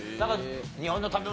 日本の食べ物